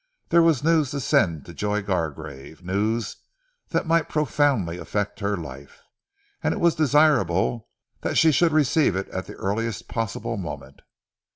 There was news to send to Joy Gargrave, news that might profoundly affect her life, and it was desirable that she should receive it at the earliest possible moment.